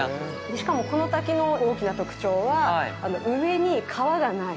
しかも、この滝の大きな特徴は上に川がない。